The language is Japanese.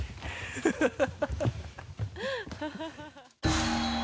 ハハハ